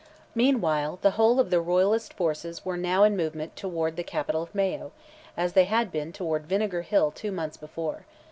Meanwhile the whole of the royalist forces were now in movement toward the capital of Mayo, as they had been toward Vinegar Hill two months before.